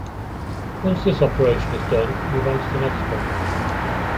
Once this operation is done, move on into the next one.